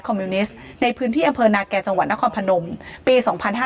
คอมมิวนิสต์ในพื้นที่อำเผอร์นาแก่จังหวันนครพนมปี